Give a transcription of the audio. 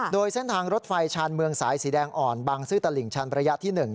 โดยเส้นทางรถไฟชาญเมืองสายสีแดงอ่อนบางซื่อตลิ่งชันระยะที่๑